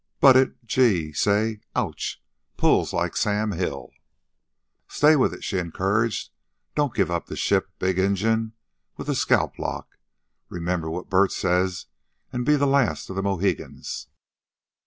"But it gee! say! ouch! pulls like Sam Hill." "Stay with it," she encouraged. "Don't give up the ship, big Injun with a scalplock. Remember what Bert says and be the last of the Mohegans."